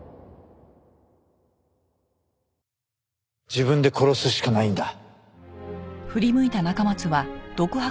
自分で殺すしかないんだ。